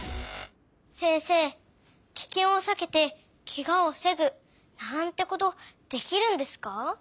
せんせいキケンをさけてケガをふせぐなんてことできるんですか？